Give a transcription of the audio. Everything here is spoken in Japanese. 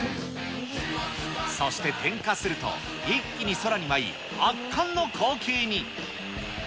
そして点火すると、一気に空に舞い、圧巻の光景に。